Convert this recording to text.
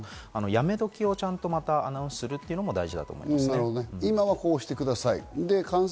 やめどきをまたアナウンスするというのも大事だと思いますね。